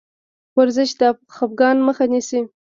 ورزش د خفګان مخه نیسي.